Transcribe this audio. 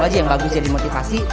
aja yang bagus jadi motivasi